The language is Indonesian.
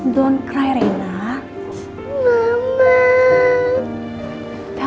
jangan menangis rena